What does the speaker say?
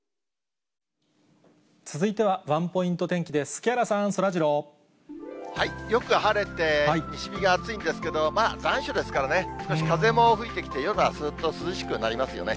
木原さん、そらジロー。よく晴れて、西日が暑いんですけど、まあ残暑ですからね、少し風も吹いてきて、夜はすーっと涼しくなりますよね。